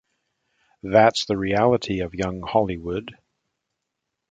That's the reality of young Hollywood.